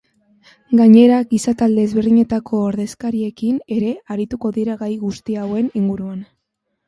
Gainera, giza talde ezberdinetako ordezkariekin ere arituko dira gai guzti hauen inguruan.